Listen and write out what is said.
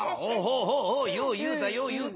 およう言うたよう言うた。